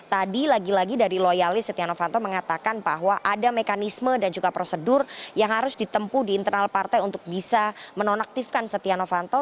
tadi lagi lagi dari loyalis setia novanto mengatakan bahwa ada mekanisme dan juga prosedur yang harus ditempu di internal partai untuk bisa menonaktifkan setia novanto